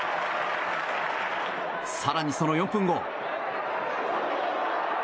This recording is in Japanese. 更にその４分後。